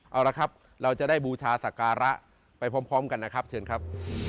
เอาละครับเราจะได้บูชาศักระไปพร้อมกันนะครับเชิญครับ